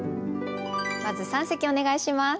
まず三席お願いします。